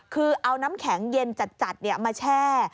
คือเอาน้ำแข็งเย็นจัดมาแช่